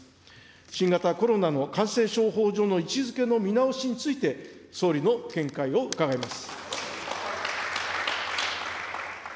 新型コロナの感染症法上の位置づけの見直しについて、総理の見解を伺います。